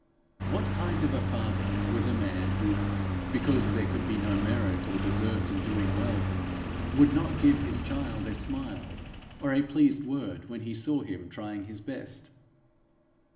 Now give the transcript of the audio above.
What kind of a father were the man who, because there could be no merit or desert in doing well, would not give his child a smile or a pleased word when he saw him trying his best?